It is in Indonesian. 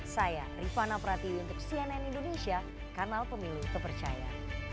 saya rifana pratiu untuk cnn indonesia kanal pemilu tepercaya